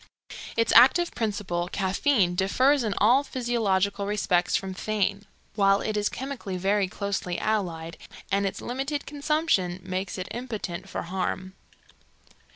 Its active principle, caffeine, differs in all physiological respects from theine, while it is chemically very closely allied, and its limited consumption makes it impotent for harm.